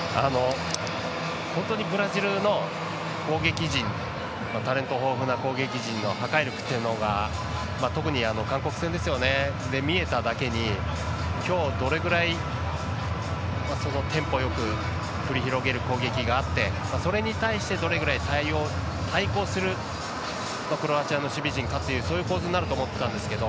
本当にブラジルの攻撃陣タレント豊富な攻撃陣の破壊力っていうのが特に韓国戦で見えただけに今日、どれぐらいそのテンポよく繰り広げる攻撃があってそれに対してどれぐらい対抗するクロアチアの守備陣かというそういう構図になると思っていたんですけど